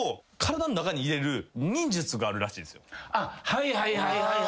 はいはいはいはい。